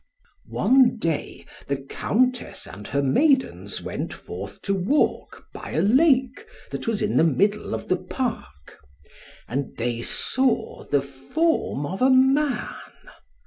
One day the Countess and her maidens went forth to walk by a lake, that was in the middle of the park. And they saw the form of a man.